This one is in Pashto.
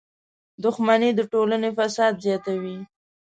• دښمني د ټولنې فساد زیاتوي.